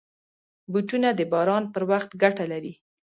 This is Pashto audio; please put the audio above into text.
بوټونه د باران پر وخت ګټه لري.